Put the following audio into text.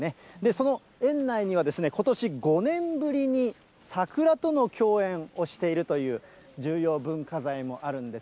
その園内にはことし、５年ぶりに桜との競演をしているという、重要文化財もあるんです。